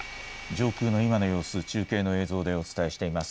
上空の今の様子中継の映像でお伝えしています。